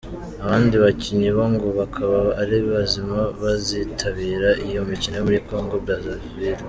Abandi bakinnyi bo ngo bakaba ari bazima bazitabira iyo mikino yo muri Congo-Brazazaville.